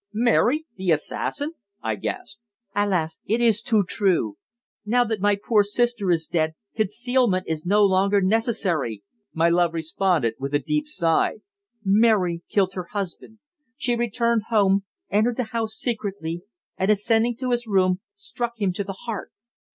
"Mary the assassin!" I gasped. "Alas! it is too true. Now that my poor sister is dead, concealment is no longer necessary," my love responded, with a deep sigh. "Mary killed her husband. She returned home, entered the house secretly, and, ascending to his room, struck him to the heart."